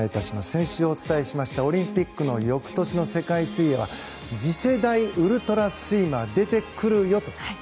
先週お伝えしましたオリンピックの翌年の世界水泳は次世代ウルトラスイマー出てくるよと。